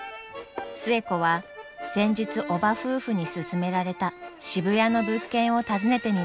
寿恵子は先日叔母夫婦に勧められた渋谷の物件を訪ねてみました。